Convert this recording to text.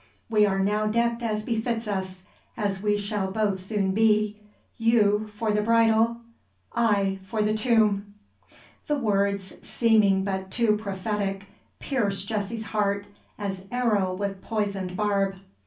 We are now decked as befits us as we shall both soon be you for the bridal, I for the tomb!" The words, seeming but too prophetic, pierce Jessie's heart as arrow with poisoned barb.